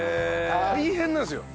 大変なんですよ。